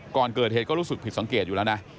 ก่อนเกิดเหตุก็รู้สึกผิดสังเกตอยู่แล้วนะ